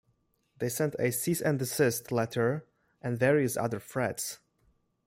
They sent a cease-and-desist letter and various other threats.